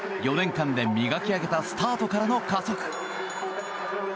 ４年間で磨き上げたスタートからの加速。